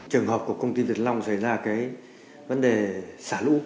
trường hợp của công ty việt long xảy ra cái vấn đề xả lũ